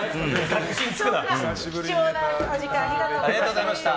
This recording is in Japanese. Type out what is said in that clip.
貴重なお時間ありがとうございます。